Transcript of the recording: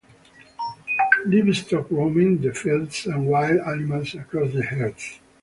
livestock roaming the fields, and wild animals across the earth.